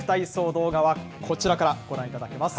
動画はこちらからご覧いただけます。